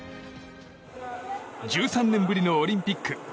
１３年ぶりのオリンピック。